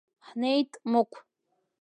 Ҳнеит Мықә.